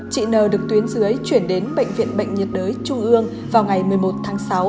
chị n được tuyến dưới chuyển đến bệnh viện bệnh nhiệt đới trung ương vào ngày một mươi một tháng sáu